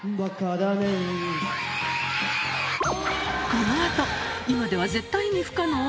この後今では絶対に不可能？